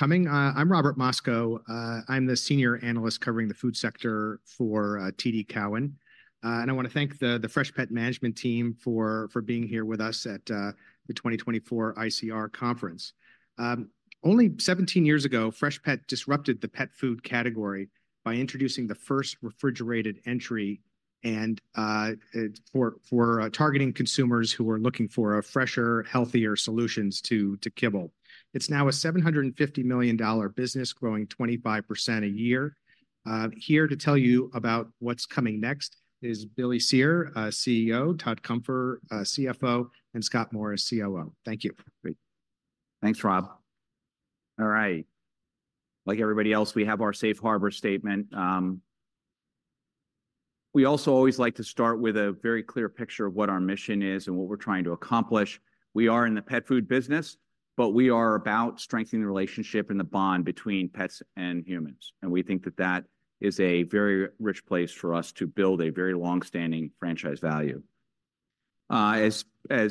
I'm Robert Moskow. I'm the senior analyst covering the food sector for TD Cowen. I want to thank the Freshpet management team for being here with us at the 2024 ICR conference. Only 17 years ago, Freshpet disrupted the pet food category by introducing the first refrigerated entry and for targeting consumers who were looking for a fresher, healthier solutions to kibble. It's now a $750 million business, growing 25% a year. Here to tell you about what's coming next is Billy Cyr, our CEO, Todd Cunfer, our cfo and Scott Morris, COO. Thank you. Great. Thanks, Rob. All right. Like everybody else, we have our safe harbor statement. We also always like to start with a very clear picture of what our mission is and what we're trying to accomplish. We are in the pet food business, but we are about strengthening the relationship and the bond between pets and humans and we think that that is a very rich place for us to build a very long-standing franchise value. As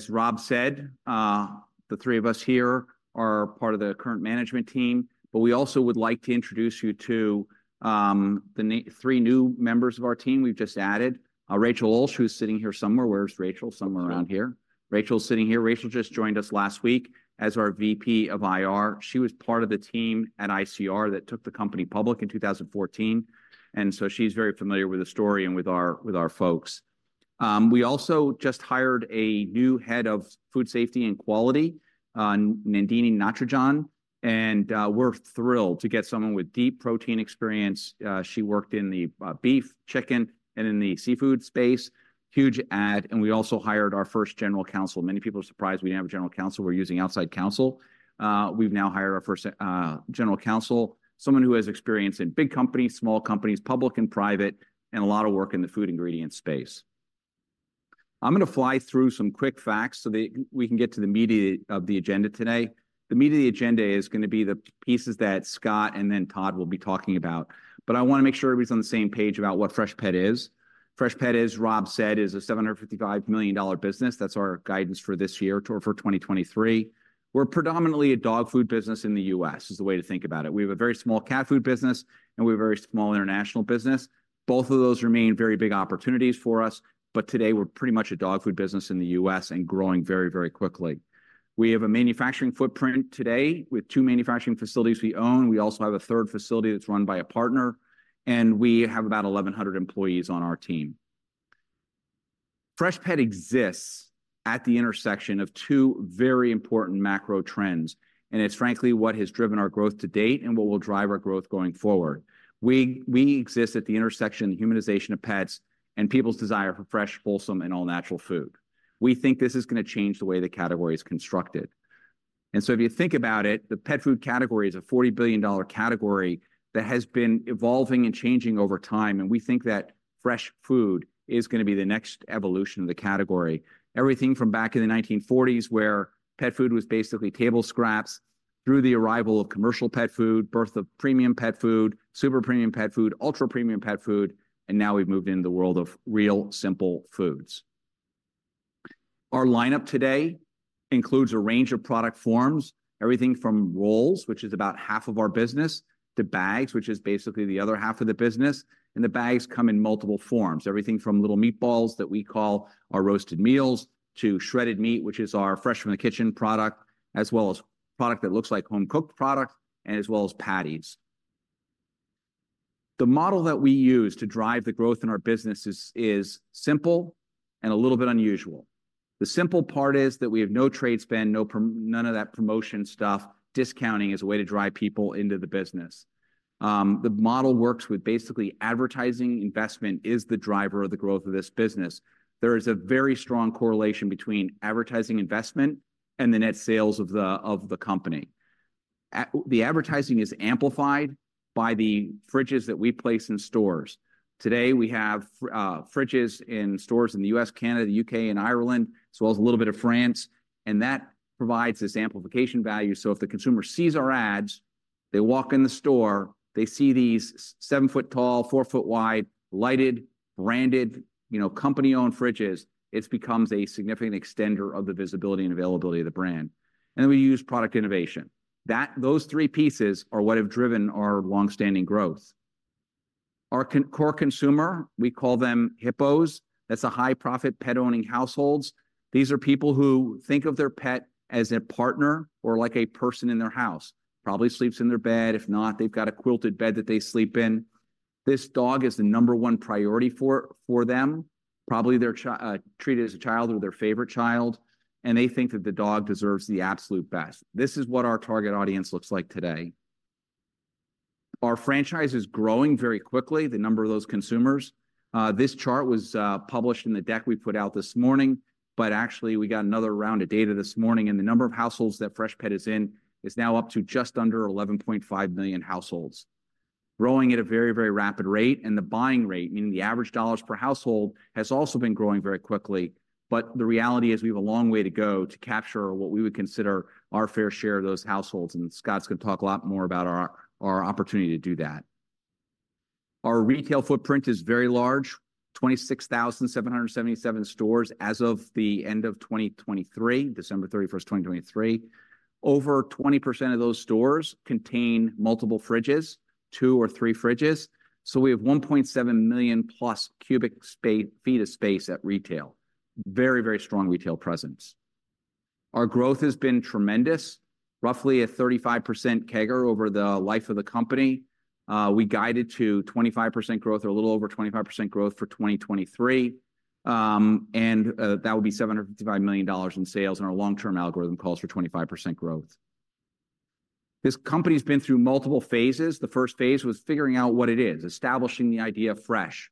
Rob said, the three of us here are part of the current management team. But we also would like to introduce you to the three new members of our team we've just added. Rachel Ulsh, who's sitting here somewhere. Where's Rachel? Somewhere around here. Rachel. Rachel's sitting here. Rachel just joined us last week as our VP of IR. She was part of the team at ICR that took the company public in 2014 and so she's very familiar with the story and with our, with our folks. We also just hired a new head of food safety and quality, Nandini Natarajan and we're thrilled to get someone with deep protein experience. She worked in the, beef, chicken and in the seafood space. Huge add and we also hired our first general counsel. Many people are surprised we didn't have a general counsel, we're using outside counsel. We've now hired our first, general counsel, someone who has experience in big companies, small companies, public and private and a lot of work in the food ingredient space. I'm gonna fly through some quick facts so that we can get to the meat of the agenda today. The meat of the agenda is gonna be the pieces that Scott and then Todd will be talking about, but I want to make sure everybody's on the same page about what Freshpet is. Freshpet, as Rob said, is a $755 million business. That's our guidance for this year, or for 2023. We're predominantly a dog food business in the U.S., is the way to think about it. We have a very small cat food business and we have a very small international business. Both of those remain very big opportunities for us, but today we're pretty much a dog food business in the U.S. and growing very, very quickly. We have a manufacturing footprint today with two manufacturing facilities we own. We also have a third facility that's run by a partner and we have about 1,100 employees on our team. Freshpet exists at the intersection of two very important macro trends and it's frankly what has driven our growth to date and what will drive our growth going forward. We, we exist at the intersection of the humanization of pets and people's desire for fresh, wholesome and all-natural food. We think this is gonna change the way the category is constructed and so if you think about it, the pet food category is a $40 billion category that has been evolving and changing over time and we think that fresh food is gonna be the next evolution of the category. Everything from back in the 1940s, where pet food was basically table scraps, through the arrival of commercial pet food, birth of premium pet food, super premium pet food, ultra-premium pet food and now we've moved into the world of real, simple foods. Our lineup today includes a range of product forms, everything from rolls, which is about half of our business, to bags, which is basically the other half of the business. The bags come in multiple forms, everything from little meatballs that we call our Roasted Meals, to shredded meat, which is our Fresh From The Kitchen product, as well as product that looks like home-cooked product and as well as patties. The model that we use to drive the growth in our business is simple and a little bit unusual. The simple part is that we have no trade spend, no prom- none of that promotion stuff. Discounting is a way to drive people into the business. The model works with basically advertising investment is the driver of the growth of this business. There is a very strong correlation between advertising investment and the net sales of the, of the company. The advertising is amplified by the fridges that we place in stores. Today, we have fridges in stores in the U.S, U.K and Ireland as well as a little bit of France and that provides this amplification value. So if the consumer sees our ads, they walk in the store they see these 7 feet tall, 4 feett wide lighted, branded company-owned fridges, it becomes a significant extender of the visibility and availability of the brand and then, we use product innovation. Those three pieces are what have driven our long-standing growth. Our core consumer, we call them HIPPOs. That's high-profit pet-owning households. These are people who think of their pet as a partner or like a person in their house. Probably sleeps in their bed. If not, they've got a quilted bed that they sleep in. This dog is the number one priority for them. Probably treated as a child or their favorite child and they think that the dog deserves the absolute best. This is what our target audience looks like today. Our franchise is growing very quickly, the number of those consumers. This chart was published in the deck we put out this morning, but actually, we got another round of data this morning and the number of households that Freshpet is in is now up to just under 11.5 million households, growing at a very, very rapid rate. The buying rate, meaning the average dollars per household, has also been growing very quickly. But the reality is, we have a long way to go to capture what we would consider our fair share of those households and Scott's gonna talk a lot more about our, our opportunity to do that. Our retail footprint is very large, 26,777 stores as of the end of 2023, December 31, 2023. Over 20% of those stores contain multiple fridges, two or three fridges. We have 1.7 million+ cubic space feet of space at retail. Very, very strong retail presence. Our growth has been tremendous, roughly a 35% CAGR over the life of the company. We guided to 25% growth, or a little over 25% growth for 2023. That would be $755 million in sales and our long-term algorithm calls for 25% growth. This company's been through multiple phases. The first phase was figuring out what it is, establishing the idea of fresh.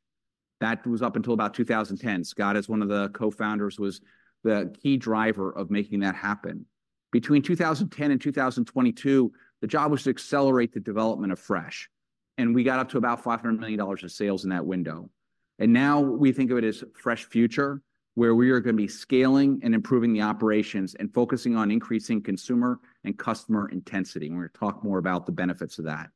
That was up until about 2010. Scott, as one of the co-founders, was the key driver of making that happen. Between 2010 and 2022, the job was to accelerate the development of fresh and we got up to about $500 million of sales in that window. Now we think of it as Fresh Future, where we are going to be scaling and improving the operations and focusing on increasing consumer and customer intensity. I'm going to talk more about the benefits of that.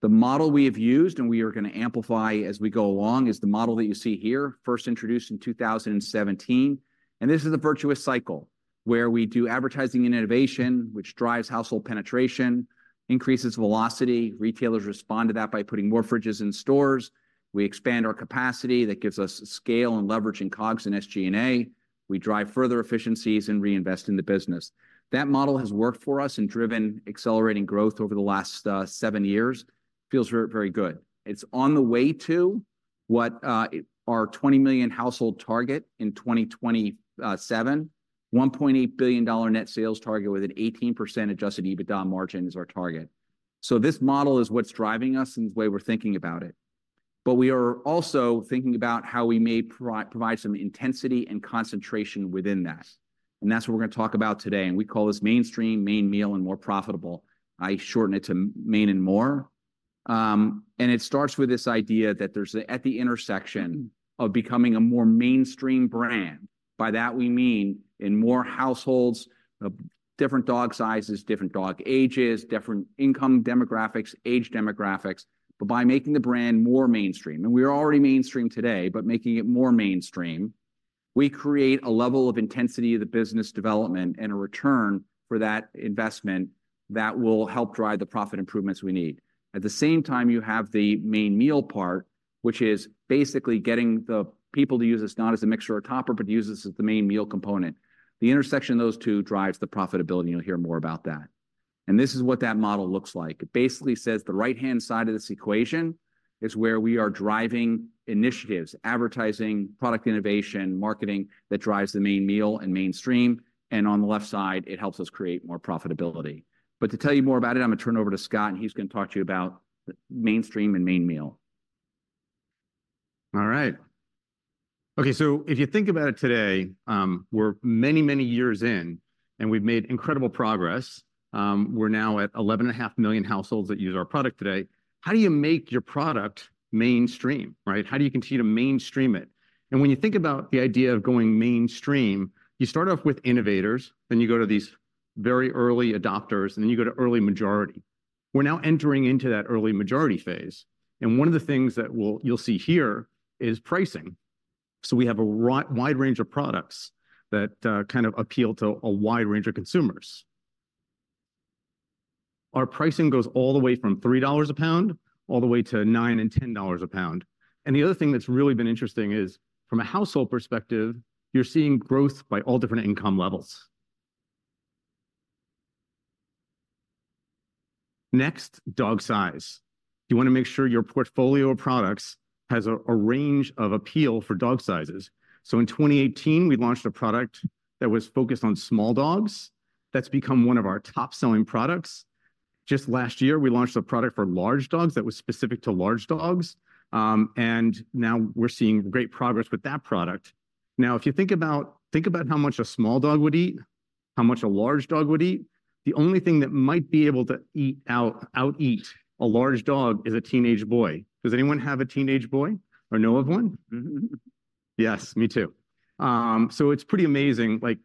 The model we have used and we are going to amplify as we go along, is the model that you see here, first introduced in 2017 and this is a virtuous cycle where we do advertising and innovation, which drives household penetration, increases velocity. Retailers respond to that by putting more fridges in stores. We expand our capacity, that gives us scale and leverage in COGS and SG&A. We drive further efficiencies and reinvest in the business. That model has worked for us and driven accelerating growth over the last seven years. Feels very, very good. It's on the way to what, our 20 million household target in 2027. $1.8 billion net sales target with an 18% Adjusted EBITDA margin is our target. So this model is what's driving us and the way we're thinking about it. But we are also thinking about how we may provide some intensity and concentration within that and that's what we're going to talk about today and we call this Mainstream, Main meal and More Profitable. I shorten it to Main and more and it starts with this idea that there's at the intersection of becoming a more mainstream brand. By that we mean in more households, different dog sizes, different dog ages, different income demographics, age demographics. By making the brand more mainstream and we are already mainstream today, but making it more mainstream, we create a level of intensity of the business development and a return for that investment that will help drive the profit improvements we need. At the same time, you have the main meal part, which is basically getting the people to use this not as a mixer or topper, but use this as the main meal component. The intersection of those two drives the profitability and you'll hear more about that. This is what that model looks like. It basically says the right-hand side of this equation is where we are driving initiatives, advertising, product innovation, marketing that drives the main meal and mainstream and on the left side, it helps us create more profitability. To tell you more about it, I'm going to turn it over to Scott and he's going to talk to you about Mainstream and Main Meal. All right. Okay, so if you think about it today, we're many, many years in and we've made incredible progress. We're now at 11.5 million households that use our product today. How do you make your product mainstream, right? How do you continue to mainstream it? And when you think about the idea of going mainstream, you start off with innovators, then you go to these very early adopters and then you go to early majority. We're now entering into that early majority phase and one of the things that you'll see here is pricing. So we have a wide range of products that appeal to a wide range of consumers. Our pricing goes all the way from $3 a lb, all the way to $9-$10 a lb. The other thing that's really been interesting is, from a household perspective, you're seeing growth by all different income levels. Next, dog size. You want to make sure your portfolio of products has a range of appeal for dog sizes. So in 2018, we launched a product that was focused on small dogs. That's become one of our top-selling products. Just last year, we launched a product for large dogs that was specific to large dogs and now we're seeing great progress with that product. Now, if you think about how much a small dog would eat, how much a large dog would eat, the only thing that might be able to outeat a large dog is a teenage boy. Does anyone have a teenage boy or know of one? Yes, me too. It's pretty amazing, like,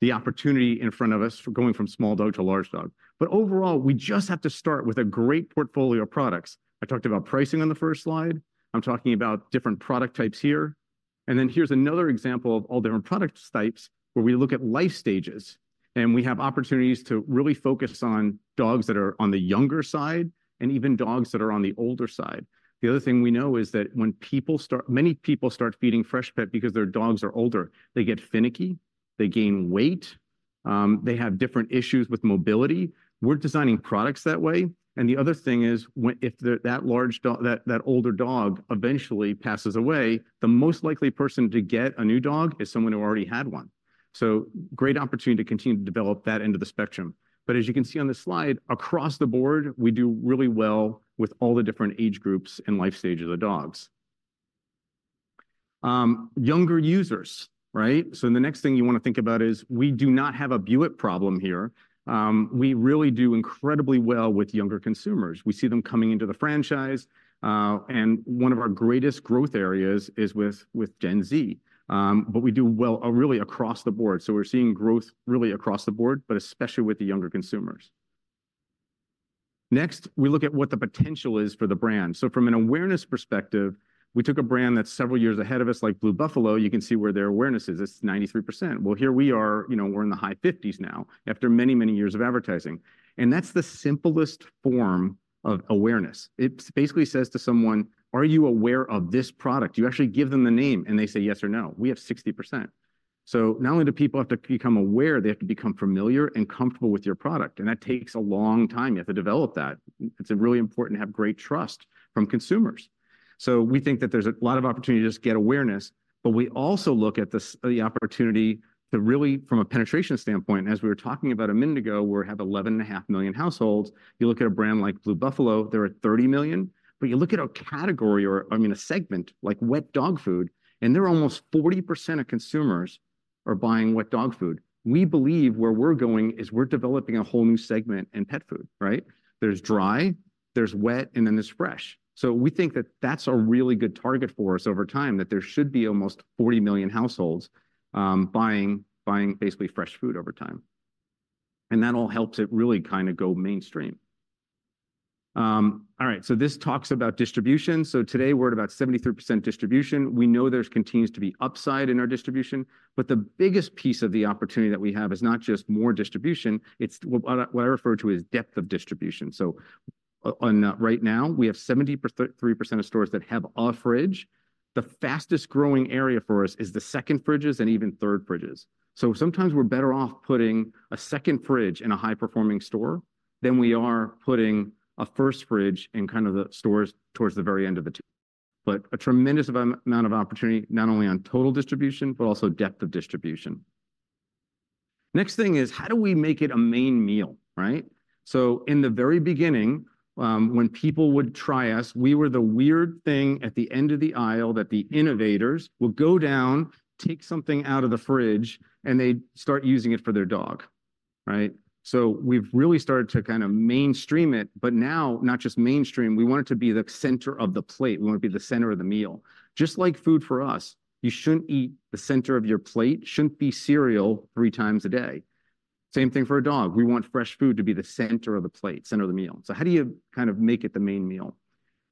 the opportunity in front of us for going from small dog to large dog. But overall, we just have to start with a great portfolio of products. I talked about pricing on the first slide. I'm talking about different product types here and then here's another example of all different product types, where we look at life stages and we have opportunities to really focus on dogs that are on the younger side and even dogs that are on the older side. The other thing we know is that when many people start feeding Freshpet because their dogs are older. They get finicky, they gain weight, they have different issues with mobility. We're designing products that way. The other thing is if that large dog, that older dog eventually passes away, the most likely person to get a new dog is someone who already had one. Great opportunity to continue to develop that end of the spectrum. But as you can see on this slide, across the board, we do really well with all the different age groups and life stages of dogs. Younger users, right? The next thing you want to think about is, we do not have a Buick problem here. We really do incredibly well with younger consumers. We see them coming into the franchise and one of our greatest growth areas is with Gen Z. But we do well really across the board. We're seeing growth really across the board, but especially with the younger consumers.... Next, we look at what the potential is for the brand. So from an awareness perspective, we took a brand that's several years ahead of us, like Blue Buffalo. You can see where their awareness is. It's 93%. Here we're in the high 50s now, after many, many years of advertising and that's the simplest form of awareness. It basically says to someone: "Are you aware of this product?" You actually give them the name and they say yes or no. We have 60%. So not only do people have to become aware, they have to become familiar and comfortable with your product and that takes a long time. You have to develop that. It's really important to have great trust from consumers. We think that there's a lot of opportunity to just get awareness, but we also look at the opportunity to really, from a penetration standpoint, as we were talking about a minute ago, we have 11.5 million households. You look at a brand like Blue Buffalo they're at 30 million. You look at a category or a segment like wet dog food and they're almost 40% of consumers are buying wet dog food. We believe where we're going is we're developing a whole new segment in pet food, right? There's dry, there's wet and then there's fresh. So we think that that's a really good target for us over time, that there should be almost 40 million households buying basically fresh food over time and that all helps it really kinda go mainstream. All right, this talks about distribution. Today, we're at about 73% distribution. We know there continues to be upside in our distribution, but the biggest piece of the opportunity that we have is not just more distribution, it's what I, what I refer to as depth of distribution. So on, right now, we have 73% of stores that have a fridge. The fastest growing area for us is the second fridges and even third fridges. So sometimes we're better off putting a second fridge in a high-performing store than we are putting a first fridge in the stores towards the very end of the. But a tremendous amount of opportunity, not only on total distribution, but also depth of distribution. Next thing is, how do we make it a main meal, right? In the very beginning, when people would try us, we were the weird thing at the end of the aisle that the innovators would go down, take something out of the fridge and they'd start using it for their dog, right? So we've really started to kinda mainstream it, but now, not just mainstream, we want it to be the center of the plate. We want it to be the center of the meal. Just like food for us, you shouldn't eat cereal three times a day, the center of your plate shouldn't be cereal three times a day. Same thing for a dog. We want fresh food to be the center of the plate, center of the meal. So how do you make it the main meal?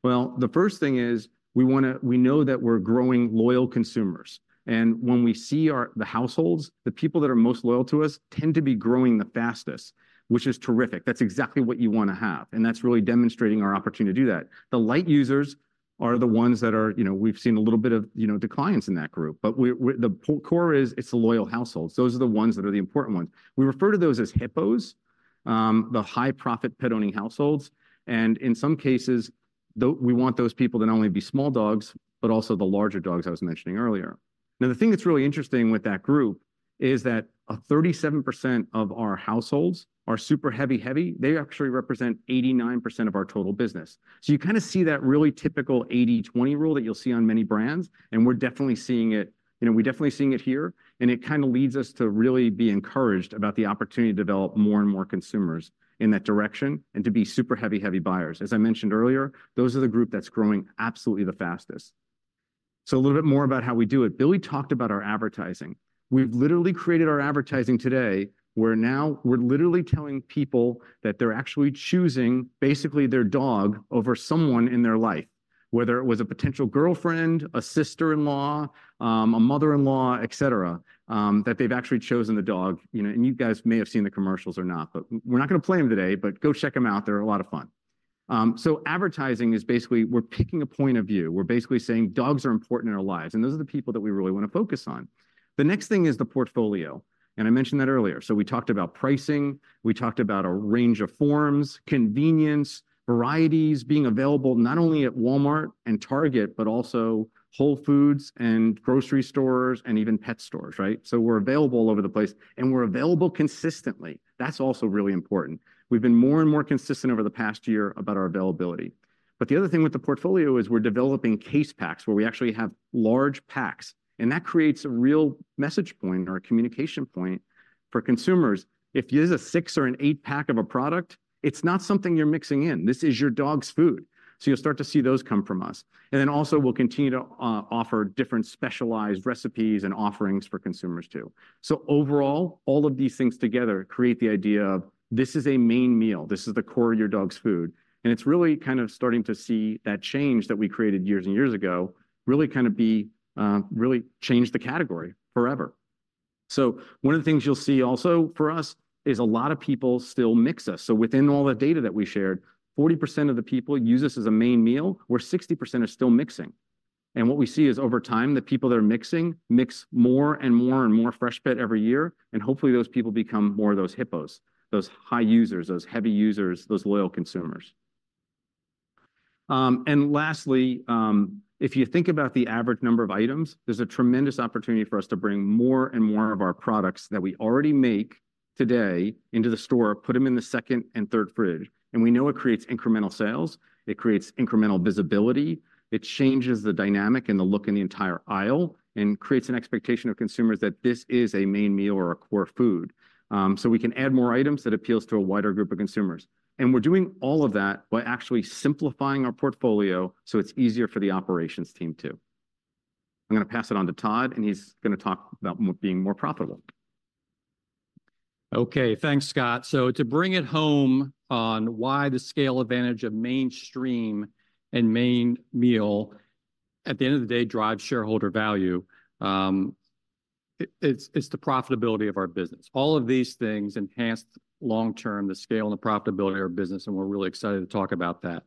The first thing is, we wanna know that we're growing loyal consumers and when we see our, the households, the people that are most loyal to us tend to be growing the fastest, which is terrific. That's exactly what you wanna have and that's really demonstrating our opportunity to do that. The light users are the ones that are we've seen a little bit of declines in that group, but we the core is, it's the loyal households. Those are the ones that are the important ones. We refer to those as HIPPOs, the High-Profit Pet-Owning households and in some cases, though we want those people to not only be small dogs, but also the larger dogs I was mentioning earlier. Now, the thing that's really interesting with that group is that 37% of our households are super heavy, heavy. They actually represent 89% of our total business. You kinda see that really typical 80/20 rule that you'll see on many brands and we're definitely seeing it we're definitely seeing it here and it kinda leads us to really be encouraged about the opportunity to develop more and more consumers in that direction and to be super heavy, heavy buyers. As I mentioned earlier, those are the group that's growing absolutely the fastest. So a little bit more about how we do it. Billy talked about our advertising. We've literally created our advertising today, where now we're literally telling people that they're actually choosing basically their dog over someone in their life, whether it was a potential girlfriend, a sister-in-law, a mother-in-law, etc., that they've actually chosen the dog. You guys may have seen the commercials or not, but we're not gonna play them today, but go check them out. They're a lot of fun. So advertising is basically, we're picking a point of view. We're basically saying dogs are important in our lives and those are the people that we really want to focus on. The next thing is the portfolio and I mentioned that earlier. So we talked about pricing, we talked about a range of forms, convenience, varieties, being available not only at Walmart and Target, but also Whole Foods and grocery stores and even pet stores, right? We're available all over the place and we're available consistently. That's also really important. We've been more and more consistent over the past year about our availability. But the other thing with the portfolio is we're developing case packs, where we actually have large packs and that creates a real message point or a communication point for consumers. If it is a six or an eight pack of a product, it's not something you're mixing in. This is your dog's food. So you'll start to see those come from us and then also, we'll continue to offer different specialized recipes and offerings for consumers, too. So overall, all of these things together create the idea of this is a main meal, this is the core of your dog's food. It's really starting to see that change that we created years and years ago, really be change the category forever. One of the things you'll see also for us is a lot of people still mix us. So within all the data that we shared, 40% of the people use us as a main meal, where 60% are still mixing and what we see is, over time, the people that are mixing mix more and more and more Freshpet every year and hopefully, those people become more of those HIPPOs, those high users, those heavy users, those loyal consumers. Lastly, if you think about the average number of items, there's a tremendous opportunity for us to bring more and more of our products that we already make today into the store, put them in the second and third fridge. We know it creates incremental sales, it creates incremental visibility, it changes the dynamic and the look in the entire aisle and creates an expectation of consumers that this is a main meal or a core food. We can add more items that appeals to a wider group of consumers. We're doing all of that by actually simplifying our portfolio so it's easier for the operations team, too. I'm going to pass it on to Todd and he's going to talk about being more profitable. Thanks, Scott. So to bring it home on why the scale advantage of mainstream and main meal, at the end of the day, drives shareholder value, it's the profitability of our business. All of these things enhance long-term the scale and the profitability of our business and we're really excited to talk about that.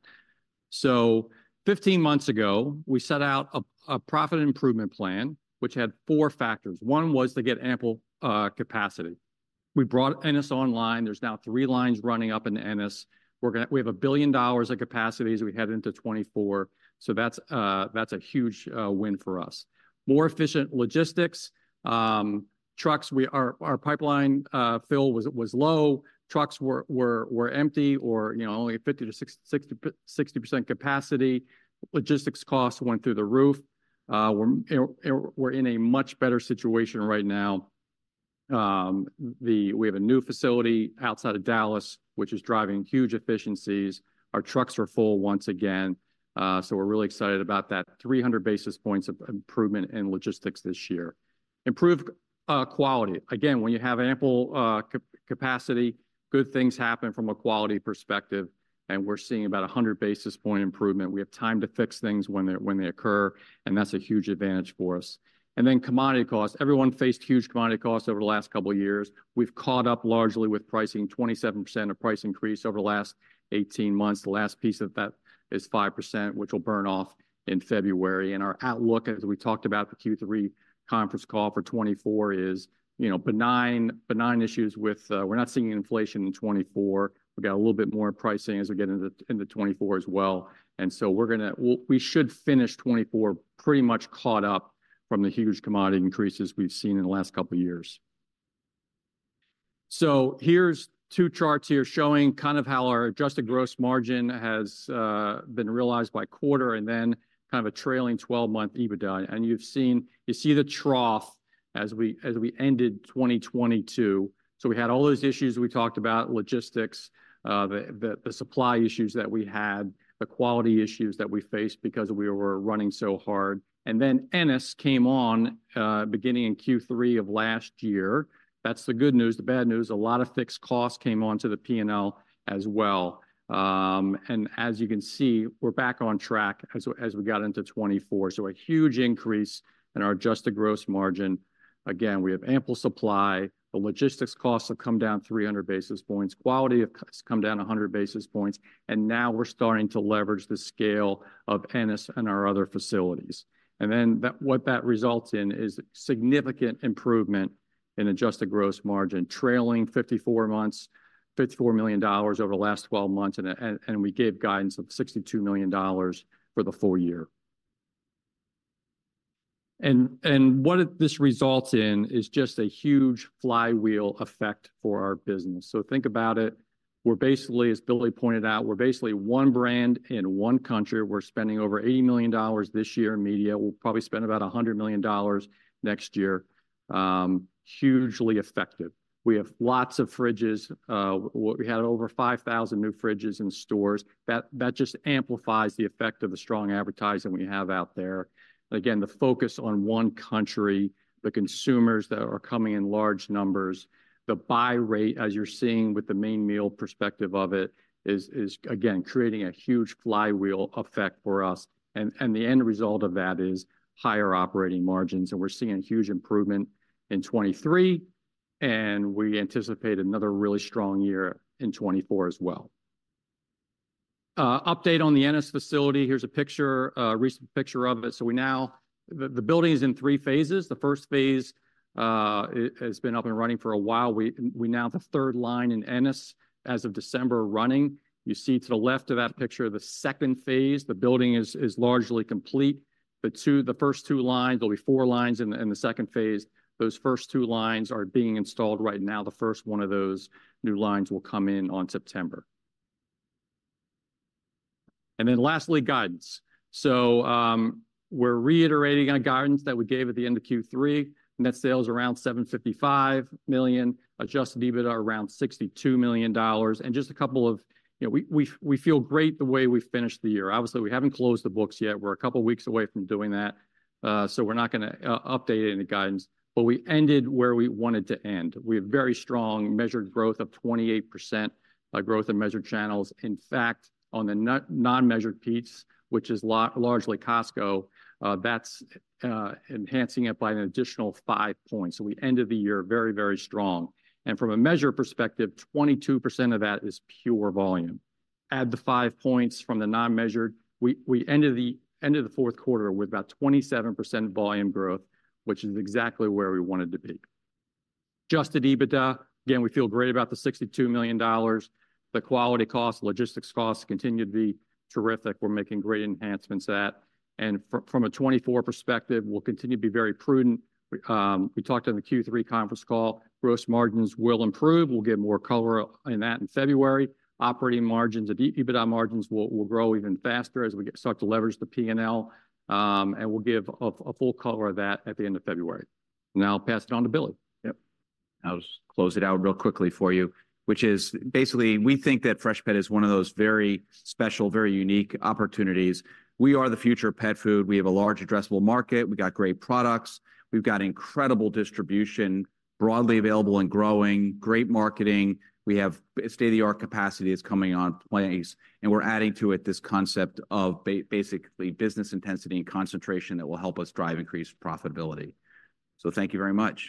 So 15 months ago, we set out a profit improvement plan, which had four factors. One was to get ample capacity. We brought Ennis online. There's now three lines running up in Ennis. We have $1 billion of capacity as we head into 2024, so that's a huge win for us. More efficient logistics. Trucks, our pipeline fill was low. Trucks were empty or only at 50%-60% capacity. Logistics costs went through the roof. We're in a much better situation right now. We have a new facility outside of Dallas, which is driving huge efficiencies. Our trucks are full once again, so we're really excited about that. 300 basis points of improvement in logistics this year. Improved quality. Again, when you have ample capacity, good things happen from a quality perspective and we're seeing about a 100 basis point improvement. We have time to fix things when they occur and that's a huge advantage for us. Then commodity costs. Everyone faced huge commodity costs over the last couple of years. We've caught up largely with pricing, 27% of price increase over the last 18 months. The last piece of that is 5%, which will burn off in February. Our outlook, as we talked about the Q3 conference call for 2024, is benign issues with. We're not seeing inflation in 2024. We've got a little bit more pricing as we get into 2024 as well and so we're going to. We'll. We should finish 2024 pretty much caught up from the huge commodity increases we've seen in the last couple of years. So here's two charts here showing how our adjusted gross margin has been realized by quarter and then a trailing twelve-month EBITDA. You see the trough as we ended 2022. So we had all those issues we talked about, logistics, the supply issues that we had, the quality issues that we faced because we were running so hard. Then Ennis came on, beginning in Q3 of last year. That's the good news. The bad news, a lot of fixed costs came onto the P&L as well and as you can see, we're back on track as we got into 2024. So a huge increase in our adjusted gross margin. Again, we have ample supply. The logistics costs have come down 300 basis points. Quality has come down 100 basis points and now we're starting to leverage the scale of Ennis and our other facilities and then, what that results in is significant improvement in adjusted gross margin, trailing 54 months, $54 million over the last 12 months and we gave guidance of $62 million for the full year and what this results in is just a huge flywheel effect for our business. Think about it, we're basically, as Billy pointed out, we're basically one brand in one country. We're spending over $80 million this year in media. We'll probably spend about $100 million next year. Hugely effective. We have lots of fridges. We had over 5,000 new fridges in stores. That just amplifies the effect of the strong advertising we have out there. Again, the focus on one country, the consumers that are coming in large numbers, the buy rate, as you're seeing with the main meal perspective of it, is again creating a huge flywheel effect for us and the end result of that is higher operating margins and we're seeing a huge improvement in 2023 and we anticipate another really strong year in 2024 as well. Update on the Ennis facility. Here's a picture, a recent picture of it. So we now. The building is in 3 phases. The first phase, it has been up and running for a while. We now have the third line in Ennis as of December, running. You see to the left of that picture, the second phase. The building is largely complete, but the first two lines, there'll be four lines in the second phase. Those first two lines are being installed right now. The first one of those new lines will come in on September and then lastly, guidance. So, we're reiterating on a guidance that we gave at the end of Q3, net sales around $755 million, adjusted EBITDA around $62 million and just we feel great the way we finished the year. We haven't closed the books yet. We're a couple of weeks away from doing that, so we're not going to update any guidance, but we ended where we wanted to end. We have very strong measured growth of 28%, growth in measured channels. In fact, on the non-measured piece, which is largely Costco, that's enhancing it by an additional five points. So we ended the year very, very strong and from a measure perspective, 22% of that is pure volume. Add the 5 points from the non-measured, we ended the fourth quarter with about 27% volume growth, which is exactly where we wanted to be. Adjusted EBITDA, again, we feel great about the $62 million. The quality costs, logistics costs continue to be terrific. We're making great enhancements there. From a 2024 perspective, we'll continue to be very prudent. We talked on the Q3 conference call, gross margins will improve. We'll give more color on that in February. Operating margins and EBITDA margins will grow even faster as we start to leverage the P&L and we'll give a full color of that at the end of February. Now, I'll pass it on to Billy. I'll just close it out real quickly for you, which is basically we think that Freshpet is one of those very special, very unique opportunities. We are the future of pet food. We have a large addressable market. We've got great products. We've got incredible distribution, broadly available and growing, great marketing. We have state-of-the-art capacity that's coming online and we're adding to it this concept of basically business intensity and concentration that will help us drive increased profitability. So thank you very much.